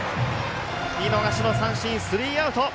見逃しの三振、スリーアウト。